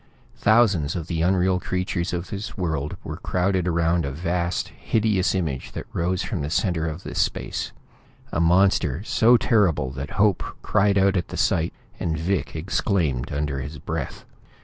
Thousands of the unreal creatures of this world were crowded around a vast, hideous image that rose from the center of the space; a monster so terrible that Hope cried out at the sight, and Vic exclaimed under his breath.